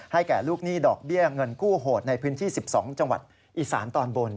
แก่ลูกหนี้ดอกเบี้ยเงินกู้โหดในพื้นที่๑๒จังหวัดอีสานตอนบน